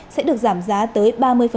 sẽ được giảm giá tới ba mươi